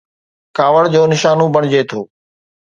ڪاوڙ جو نشانو بڻجي ٿو.